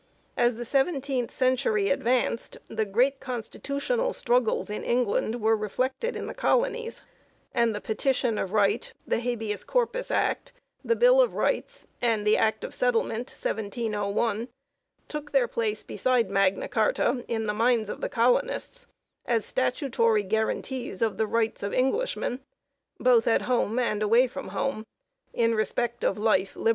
As the seventeenth century advanced, the great con stitutional struggles in England were reflected in the colonies; 3 ancl the Petition of Right, the Habeas Corpus Act, the Bill of Rights, and the Act of Settle ment (1701) took their place beside Magna Carta in the minds of the colonists as statutory guaranties of the rights of Englishmen, both at home and away from home, in respect of life, liberty, and property.